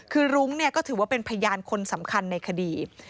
คือรุ้งก็ถือว่าเป็นพยานคนสำคัญในคดี